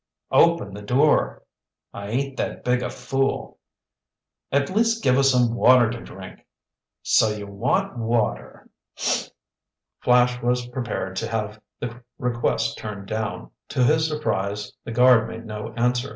"Open the door." "I ain't that big a fool!" "At least give us some water to drink." "So you want water?" Flash was prepared to have the request turned down. To his surprise the guard made no answer.